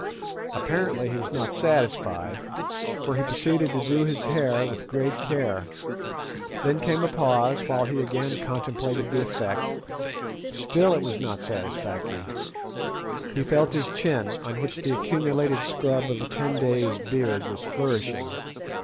Apparently he was not satisfied, for he proceeded to do his hair with great care. Then came a pause whilst he again contemplated the effect; still it was not satisfactory. He felt his chin, on which the accumulated scrub of a ten days' beard was flourishing.